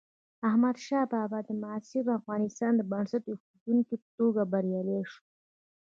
احمدشاه بابا د معاصر افغانستان د بنسټ ایښودونکي په توګه بریالی شو.